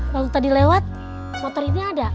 waktu tadi lewat motor ini ada